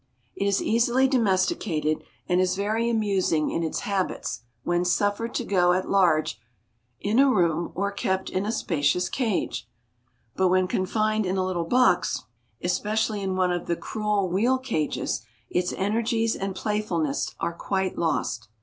It is easily domesticated and is very amusing in its habits when suffered to go at large in a room or kept in a spacious cage, but when confined in a little box, especially in one of the cruel wheel cages, its energies and playfulness are quite lost.